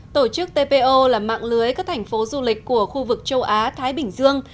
tổ chức tpo là mạng lưới các thành phố du lịch của khu vực châu á thái bình dương